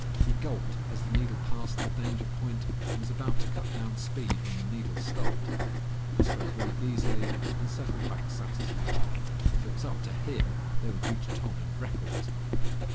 He gulped as the needle passed the danger point and was about to cut down speed when the needle stopped. Astro breathed easily and settled back satisfied. If it was up to him, they would reach Tom in record time.